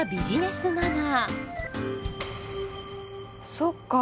そっか。